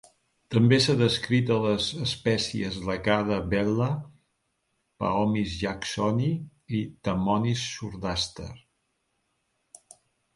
També s'ha descrit a les espècies Leggada bella, Praomys jacksoni i Thamnomys surdaster.